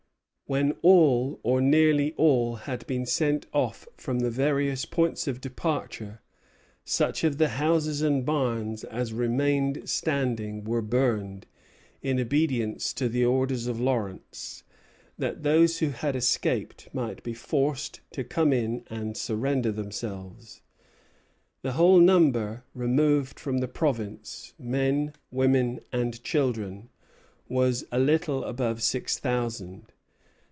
When all, or nearly all, had been sent off from the various points of departure, such of the houses and barns as remained standing were burned, in obedience to the orders of Lawrence, that those who had escaped might be forced to come in and surrender themselves. The whole number removed from the province, men, women, and children, was a little above six thousand.